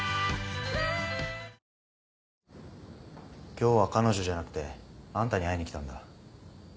今日は彼女じゃなくてあんたに会いに来たんだ。